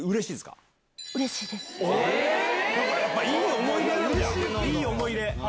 いい思い出。